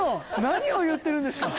何を言ってるんですか。